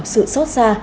sự xót xa